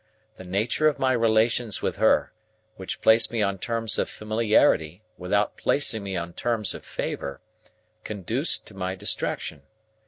The nature of my relations with her, which placed me on terms of familiarity without placing me on terms of favour, conduced to my distraction.